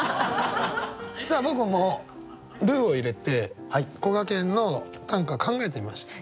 じゃあ僕も「ルー」を入れてこがけんの短歌考えてみました。